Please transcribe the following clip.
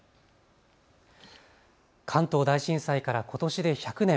関東大震災からことしで１００年。